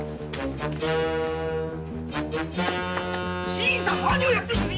新さん何をやってんです！